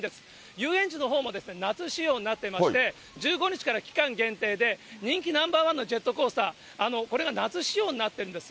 遊園地のほうも夏仕様になってまして、１５日から期間限定で人気ナンバー１のジェットコースター、これが夏仕様になってるんです。